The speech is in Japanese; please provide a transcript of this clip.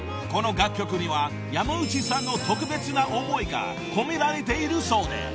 ［この楽曲には山内さんの特別な思いが込められているそうで］